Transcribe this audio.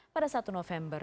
pada satu november